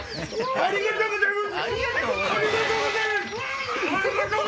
ありがとうございます？